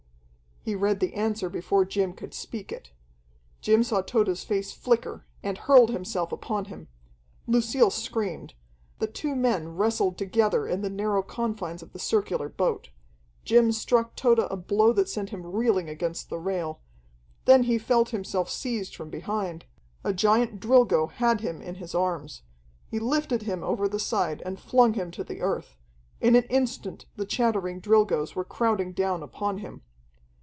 He read the answer before Jim could speak it. Jim saw Tode's face flicker, and hurled himself upon him. Lucille screamed. The two men wrestled together in the narrow confines of the circular boat. Jim struck Tode a blow that sent him reeling against the rail. Then he felt himself seized from behind. A giant Drilgo had him in his arms. He lifted him over the side and flung him to the earth. In an instant the chattering Drilgoes were crowding down upon him.